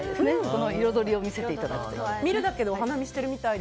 この彩りを見せていただきたい。